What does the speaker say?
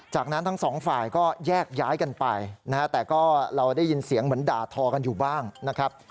จากนั้นทั้งสองฝ่ายก็แยกย้ายกันไปนะฮะแต่ก็เราได้ยินเสียงเหมือนด่าทอกันอยู่บ้างนะครับ